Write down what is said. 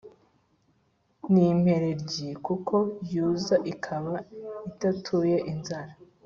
N impereryi kuko yuza ikaba itatuye inzara